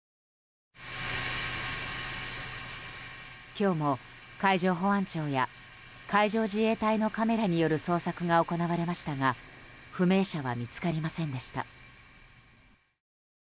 今日も海上保安庁や海上自衛隊のカメラによる捜索が行われましたが不明者は見つかりませんでした。